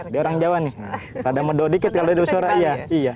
dia orang jawa nih pada mendo dikit kalau ada suara iya